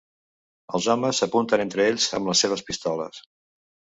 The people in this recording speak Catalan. Els homes s'apunten entre ells amb les seves pistoles.